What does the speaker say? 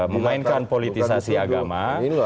memainkan politisasi agama